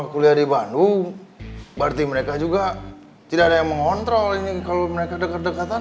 kuliah di bandung berarti mereka juga tidak ada yang mengontrol ini kalau mereka dekat dekatan